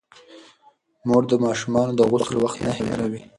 مور د ماشومانو د غسل وخت نه هېروي.